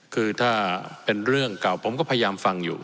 คือถ้าเป็นเรื่องเก่าผมก็พยายามฟังอยู่